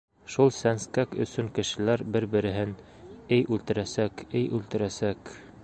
Шул сәнскәк өсөн кешеләр бер-береһен, эй, үлтерәсәк, эй, үлтерәсәк!